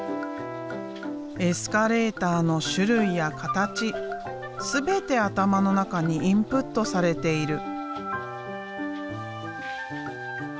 エスカレーターの種類や形全て頭の中にインプットされている。